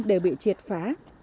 đều bị triệt phá